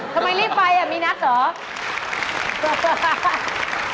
ทำไมรีบไปมีนัดเหรอ